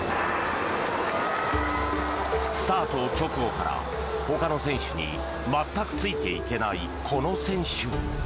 スタート直後からほかの選手に全くついていけない、この選手。